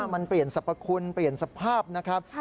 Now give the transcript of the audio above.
มันเปลี่ยนสรรพคุณเปลี่ยนสภาพนะครับ